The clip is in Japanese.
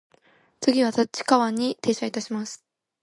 次は立川に停車いたします。